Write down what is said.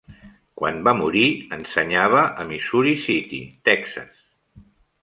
Quan va morir, ensenyava a Missouri City, Texas.